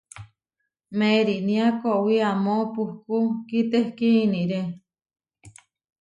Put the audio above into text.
Meeriniá kowí amó puhkú kitehkí iniré.